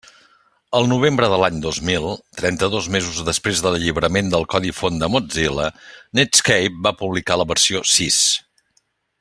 El novembre de l'any dos mil, trenta-dos mesos després de l'alliberament del codi font de Mozilla, Netscape va publicar la versió sis.